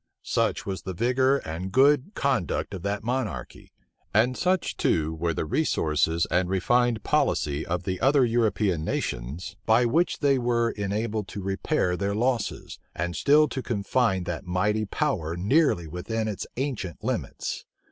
Such was the vigor and good conduct of that monarchy! and such, too, were the resources and refined policy of the other European nations, by which they were enabled to repair their losses, and still to confine that mighty power nearly within its ancient limits!